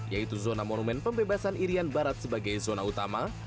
yaitu zona monumen pembebasan irian barat sebagai zona utama